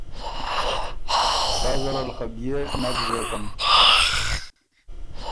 سا زرل خه بيې نک زوکم